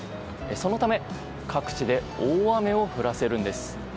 そのため各地で大雨を降らせるんです。